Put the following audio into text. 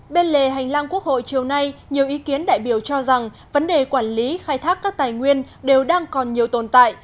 bên lề hành lang quốc hội chiều nay nhiều ý kiến đại biểu cho rằng vấn đề quản lý khai thác các tài nguyên đều đang còn nhiều tồn tại